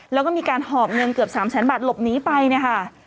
แล้วก็มีการหอบเงินเกือบ๓แสนบาทหลบหนีไปเนี่ยค่ะ